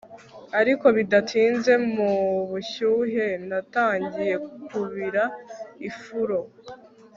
ariko bidatinze mubushyuhe natangiye kubira ifuro